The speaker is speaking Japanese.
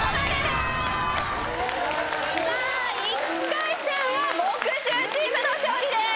１回戦は木１０チームの勝利です！